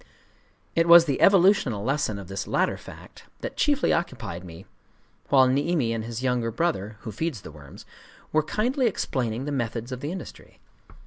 It was the evolutional lesson of this latter fact that chiefly occupied me while Niimi and his younger brother (who feeds the worms) were kindly explaining the methods of the industry.